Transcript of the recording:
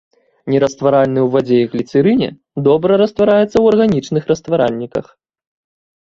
Нерастваральны ў вадзе і гліцэрыне, добра раствараецца ў арганічных растваральніках.